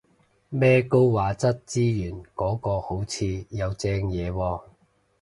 咩高畫質資源嗰個好似有正嘢喎